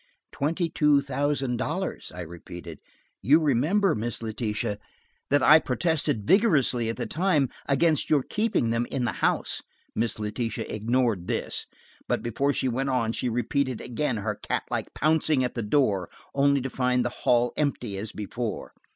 "Twenty two thousand dollars," I repeated. "You remember, Miss Letitia, that I protested vigorously at the time against your keeping them in the house." Miss Letitia ignored this, but before she went on she repeated again her cat like pouncing at the door, only to find the hall empty as before.